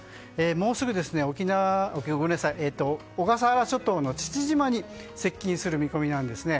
もうすぐ小笠原諸島の父島に接近する見込みです。